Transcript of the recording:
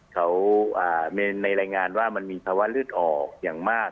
เขาในรายงานว่ามันมีภาวะเลือดออกอย่างมาก